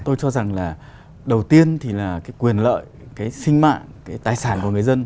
tôi cho rằng là đầu tiên thì là cái quyền lợi cái sinh mạng cái tài sản của người dân